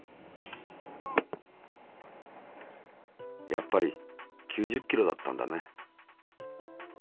やっぱり９０キロだったんだね。